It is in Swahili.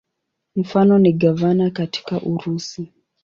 Mfano ni gavana katika Urusi.